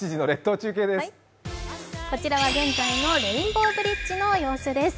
こちらは現在のレインボーブリッジの様子です。